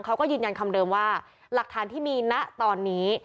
เขาก็ยืนยันคำเดิมว่าหลักฐานที่มีณตอนนี้